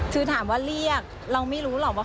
คือถามว่าเรียกเราไม่รู้หรอกว่า